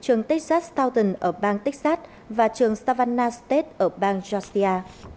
trường texas stoughton ở bang texas và trường savannah state ở bang georgia